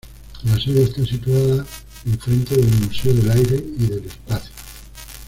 La sede está situada en frente del Museo del Aire y del Espacio.